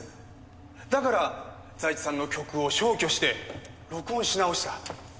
だから財津さんの曲を消去して録音し直した。